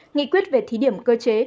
nghị quyết về thí điểm cơ chế